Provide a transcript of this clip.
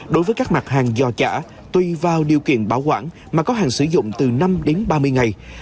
đối với các mặt hàng giò chả tuy vào điều kiện bảo quản mà có hàng sử dụng từ năm đến ba mươi ngày